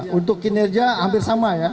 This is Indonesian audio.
untuk kinerja hampir sama ya